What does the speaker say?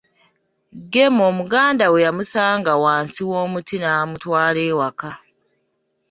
Gemo muganda we yamusanga wansi w'omuti, n'amutwala ewaka.